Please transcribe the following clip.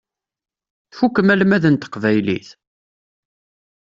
Tfukkem almad n teqbaylit?